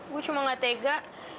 gua cuma nggak tega